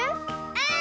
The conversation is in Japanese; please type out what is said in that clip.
うん！